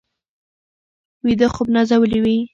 ویده خوب نازولي وي